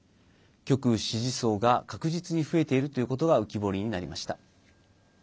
極右支持層が確実に増えているということが浮き彫りになりました。